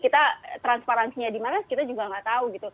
transparansinya dimana kita juga tidak tahu